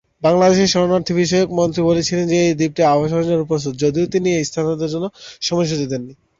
বাংলাদেশের শরণার্থী বিষয়ক মন্ত্রী বলেছিলেন যে এই দ্বীপটি "আবাসের জন্য প্রস্তুত", যদিও তিনি এই স্থানান্তরের কোন সময়সূচি দেননি।